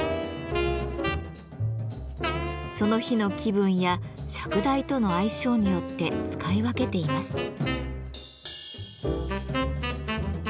その日の気分や釈台との相性によって使い分けています。